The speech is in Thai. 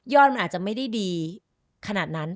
มันอาจจะไม่ได้ดีขนาดนั้น